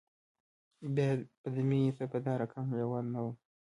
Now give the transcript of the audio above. بیا به دې مینې ته په دا رقم لیوال نه وم